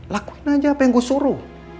lakuin aja apa yang gue suruh